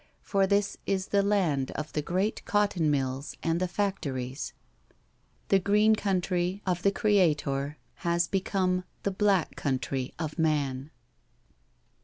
For this is the land of the great cotton mills and the factories • The B 2 NO SURRENDER Green Country of the Creator has become the Black Country of Man.